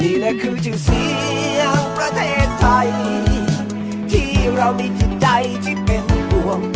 นี่แหละคือชื่อเสียงประเทศไทยที่เรามีจิตใจที่เป็นห่วง